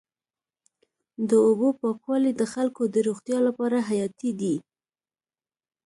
د اوبو پاکوالی د خلکو د روغتیا لپاره حیاتي دی.